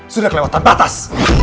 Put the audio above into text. sudah kelewatan batas